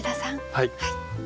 はい。